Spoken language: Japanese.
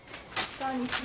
こんにちは。